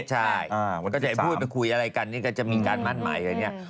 ใช่ก็จะพูดไปคุยอะไรกันนี่ก็จะมีการมั่นหมายกันเนี่ย